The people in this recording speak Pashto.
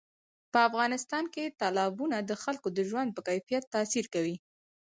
په افغانستان کې تالابونه د خلکو د ژوند په کیفیت تاثیر کوي.